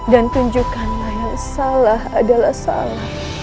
dan tunjukkanlah yang salah adalah salah